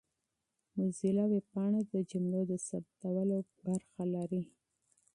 موزیلا ویبپاڼه د جملو د ثبتولو برخه لري.